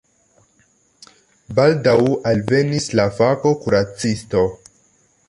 Baldaŭ alvenis la fako-kuracisto.